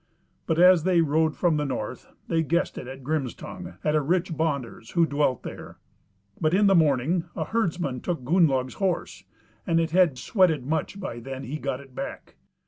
But as they rode from the north they guested at Grimstongue, at a rich bonder's who dwelt there; but in the morning a herdsman took Gunnlaug's horse, and it had sweated much by then he got it back.